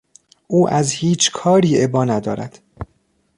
او از هیچکاری ابا ندارد.